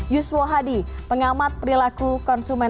yuswo hadi pengamat perilaku konsumen